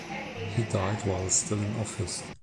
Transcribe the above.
He died while still in office.